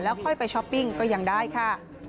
ค่อยไปช้อปปิ้งก็ยังได้ค่ะ